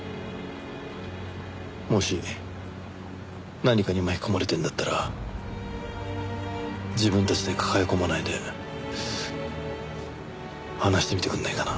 もし何かに巻き込まれてるんだったら自分たちで抱え込まないで話してみてくれないかな？